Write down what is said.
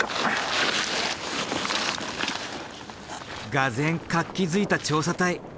がぜん活気づいた調査隊。